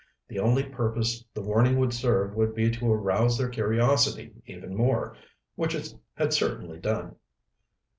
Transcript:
The only purpose the warning would serve would be to arouse their curiosity even more which it had certainly done.